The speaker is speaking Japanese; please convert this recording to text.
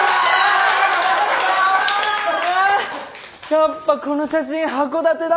やっぱこの写真函館だったんだ。